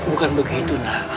bukan begitu nak